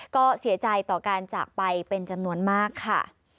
ก็เสียใจต่อการจากไปเป็นจำนวนมากค่ะ